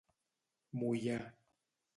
Moià.